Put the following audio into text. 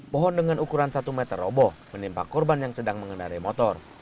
pohon dengan ukuran satu meter roboh menimpa korban yang sedang mengendari motor